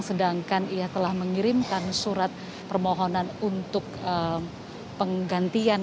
sedangkan ia telah mengirimkan surat permohonan untuk penggantian